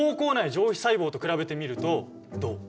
上皮細胞と比べてみるとどう？